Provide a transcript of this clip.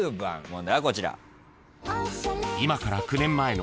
問題はこちら。